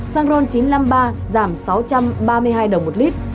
xăng ron chín trăm năm mươi ba giảm sáu trăm ba mươi hai đồng một lít